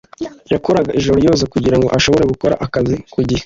Yakoraga ijoro ryose kugira ngo ashobore gukora akazi ku gihe